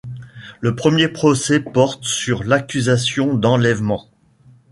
Le premier procès porte sur l'accusation d'enlèvement.